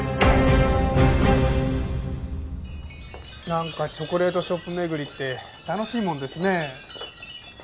なんかチョコレートショップ巡りって楽しいもんですね。